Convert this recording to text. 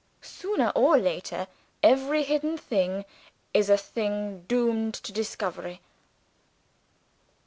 Sooner or later, every hidden thing is a thing doomed to discovery."